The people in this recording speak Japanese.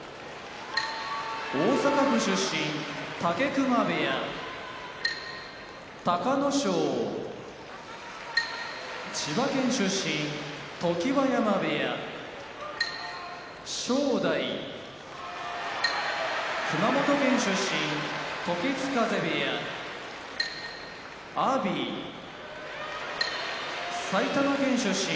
大阪府出身武隈部屋隆の勝千葉県出身常盤山部屋正代熊本県出身時津風部屋阿炎埼玉県出身